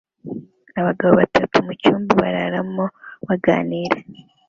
Abagabo batatu mucyumba bararamo baganira